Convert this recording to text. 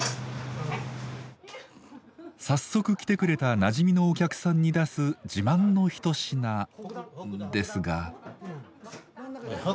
早速来てくれたなじみのお客さんに出す自慢の一品ですが。